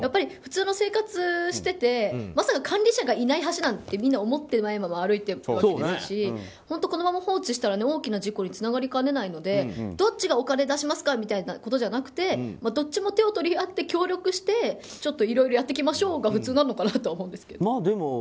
普通の生活しててまさか管理者がいない橋なんてみんな思ってないまま歩いているわけですし本当、このまま放置したら大きな事故につながりかねないのでどっちがお金出しますかみたいなことじゃなくてどっちも手を取り合って協力していろいろやっていきましょうが普通なのかなと思うんですけど。